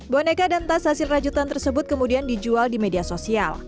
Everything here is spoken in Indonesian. boneka dan tas hasil rajutan tersebut kemudian dijual di media sosial